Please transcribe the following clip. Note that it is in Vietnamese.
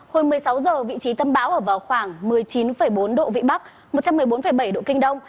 hồi một mươi sáu giờ vị trí tâm bão ở vào khoảng một mươi chín bốn độ vĩ bắc một trăm một mươi bốn bảy độ kinh đông